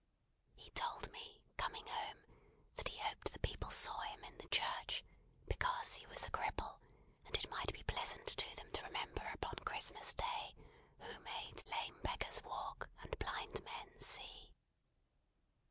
He told me, coming home, that he hoped the people saw him in the church, because he was a cripple, and it might be pleasant to them to remember upon Christmas Day, who made lame beggars walk, and blind men see."